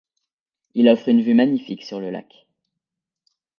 Il offre une vue magnifique sur le lac.